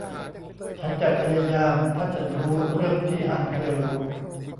ฉันจะพยายามถ้าฉันรู้เรื่องที่ฮันเคยรู้